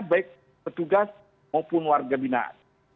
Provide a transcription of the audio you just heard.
baik petugas maupun warga binaan